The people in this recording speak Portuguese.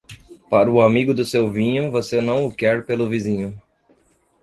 Para o amigo do seu vinho você não o quer pelo vizinho.